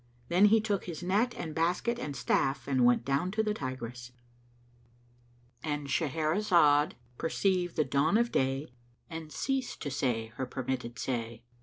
Then he took his net and basket and staff and went down to the Tigris, — And Shahrazad perceived the dawn of day and ceased to say her permitted say.